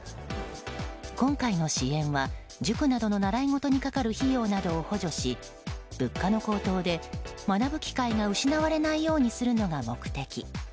今回の支援は、塾などの習い事にかかる費用などを補助し物価の高騰で、学ぶ機会が失われないようにするのが目的。